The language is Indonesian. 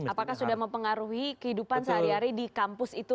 apakah sudah mempengaruhi kehidupan sehari hari di kampus itu